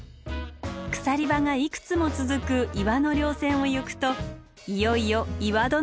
鎖場がいくつも続く岩の稜線を行くといよいよ岩殿城内へ。